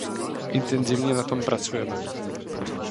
Intenzivně na tom pracujeme.